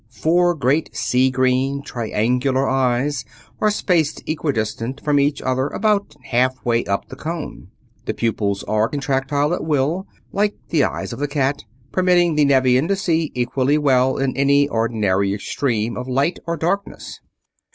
Four great sea green, triangular eyes are spaced equidistant from each other about half way up the cone. The pupils are contractile at will, like the eyes of the cat, permitting the Nevian to see equally well in any ordinary extreme of light or darkness.